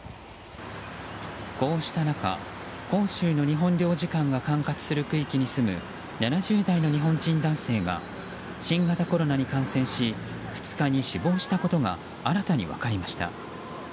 こうした中、広州の日本領事館が管轄する区域に住む７０代の日本人男性が新型コロナに感染し２日に死亡したことが新たに分かりました。